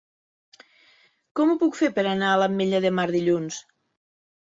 Com ho puc fer per anar a l'Ametlla de Mar dilluns?